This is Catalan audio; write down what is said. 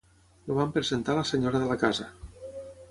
El van presentar a la senyora de la casa.